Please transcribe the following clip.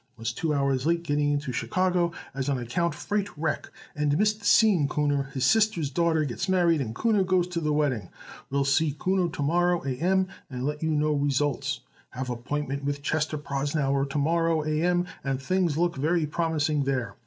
Was two hours late getting in to Chicago on a/c freight wreck and missed seeing Kuhner his sister's daughter gets married and Kuhner goes to the wedding. Will see Kuhner to morrow A M and let you know results. Have appointment with Chester Prosnauer to morrow A M and things look very promising there.